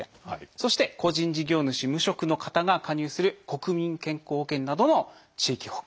そして個人事業主無職の方が加入する国民健康保険などの地域保険。